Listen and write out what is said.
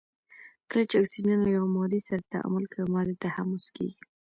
کله چې اکسیجن له یوې مادې سره تعامل کوي ماده تحمض کیږي.